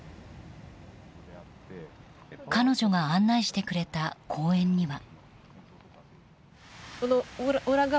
彼女が案内してくれた公園には。